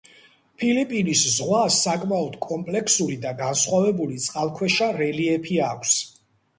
ფილიპინის ზღვას საკმაოდ კომპლექსური და განსხვავებული წყალქვეშა რელიეფი აქვს.